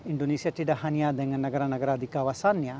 indonesia tidak hanya dengan negara negara di kawasannya